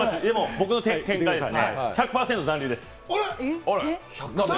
僕の見解ですね、１００％残留です。